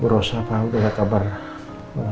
bu rosna pak udah gak kabar dengan om